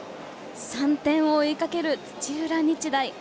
３点を追いかける土浦日大。